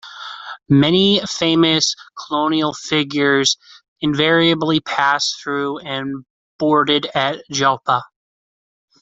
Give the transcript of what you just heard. Many famous colonial figures invariably passed through and boarded at Joppa.